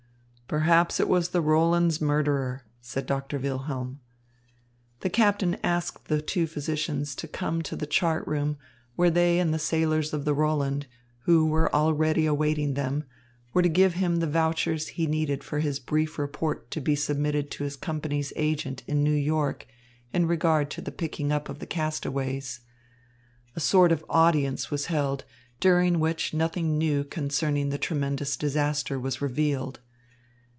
"Perhaps it was the Roland's murderer," said Doctor Wilhelm. The captain asked the two physicians to come to the chart room where they and the sailors of the Roland, who were already awaiting him, were to give him the vouchers he needed for his brief report to be submitted to his company's agent in New York in regard to the picking up of the castaways. A sort of audience was held, during which nothing new concerning the tremendous disaster was revealed.